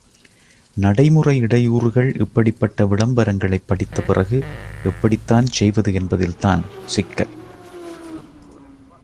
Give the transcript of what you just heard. நடைமுறை இடையூறுகள் இப்படிப்பட்ட விளம்பரங்களைப் படித்த பிறகு, எப்படித்தான் செய்வது என்பதில் தான் சிக்கல்.